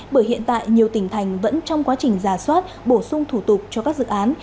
bởi hiện tại nhiều tỉnh thành vẫn trong quá trình giả soát bổ sung thủ tục cho các dự án